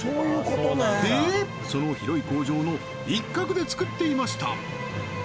でその広い工場の一角で作っていました